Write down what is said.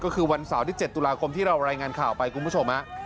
ก็คือวันเสาร์ที่๗ตุลาคมที่เรารายงานข่าวไปคุณผู้ชม